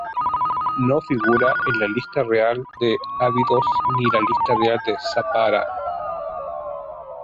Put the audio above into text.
No figura en la Lista Real de Abidos ni la Lista Real de Saqqara.